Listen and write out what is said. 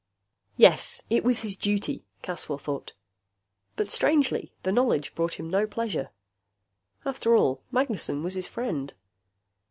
Yes, it was his duty, Caswell thought. But strangely, the knowledge brought him no pleasure. After all, Magnessen was his friend.